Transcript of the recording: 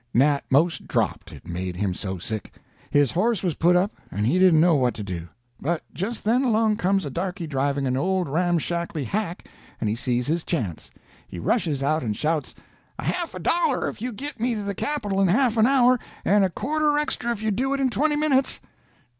Nat 'most dropped, it made him so sick. His horse was put up, and he didn't know what to do. But just then along comes a darky driving an old ramshackly hack, and he see his chance. He rushes out and shouts: "A half a dollar if you git me to the Capitol in half an hour, and a quarter extra if you do it in twenty minutes!"